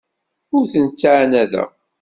Ur tent-ttɛanadeɣ.